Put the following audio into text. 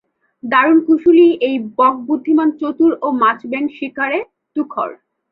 দারুণ কুশলী এই বক বুদ্ধিমান-চতুর ও মাছ-ব্যাঙ শিকারে তুখোড়।